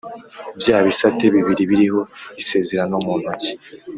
bya bisate bibiri biriho isezerano mu ntoki